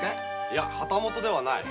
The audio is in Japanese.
いゃ旗本ではない。